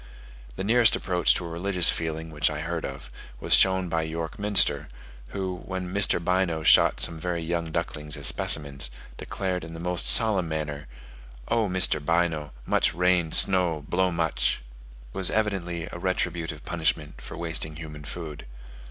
The nearest approach to a religious feeling which I heard of, was shown by York Minster, who, when Mr. Bynoe shot some very young ducklings as specimens, declared in the most solemn manner, "Oh, Mr. Bynoe, much rain, snow, blow much." This was evidently a retributive punishment for wasting human food.